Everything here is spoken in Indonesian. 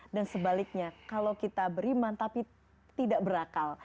dan sebaliknya kalau kita beriman tapi tidak berakal